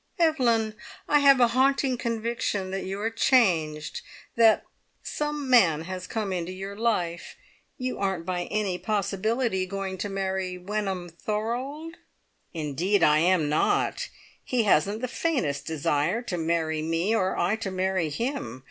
"Evelyn, I have a haunting conviction that you are changed; that some man has come into your life. You aren't by any possibility going to marry Wenham Thorold?" "Indeed I am not. He hasn't the faintest desire to marry me, or I to marry him.